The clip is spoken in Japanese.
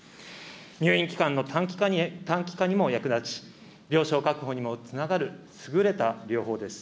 入院期間の短期化にも役立ち、病床確保にもつながる優れた療法です。